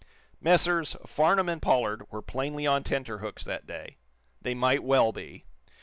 Messrs. Farnum and Pollard were plainly on tenterhooks that day. They might well be.